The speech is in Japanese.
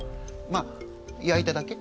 まあ焼いただけ。